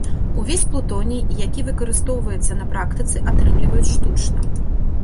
Увесь плутоній, які выкарыстоўваецца на практыцы, атрымліваюць штучна.